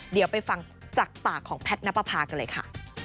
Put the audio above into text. เดี๋ยวไปฟังจากปากของแพทย์นับประพากันเลยค่ะ